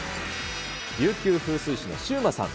琉球風水志のシウマさん。